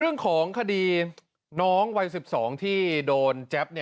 เรื่องของคดีน้องวัย๑๒ที่โดนแจ๊บ